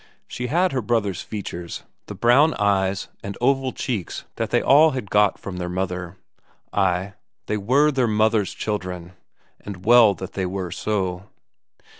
She had her brothers' features, the brown eyes and oval cheeks that all had got from their mother; ay, they were their mother's children, and well that they were so!